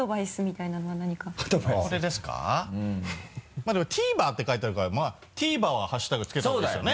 まぁでも「ＴＶｅｒ」って書いてあるから「ＴＶｅｒ」はハッシュタグ付けた方がいいですよね？